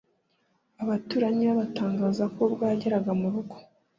Abaturanyi be batangaza ko ubwo yageraga mu rugo